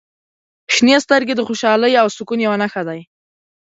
• شنې سترګې د خوشحالۍ او سکون یوه نښه دي.